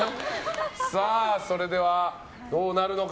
それでは、どうなるのか。